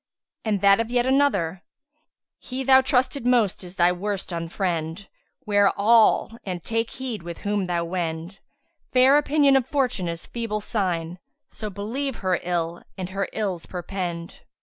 And that of yet another,[FN#161] 'He thou trusted most is thy worst unfriend; * 'Ware all and take heed with whom thou wend: Fair opinion of Fortune is feeble sign; * So believe her ill and her Ills perpend!'"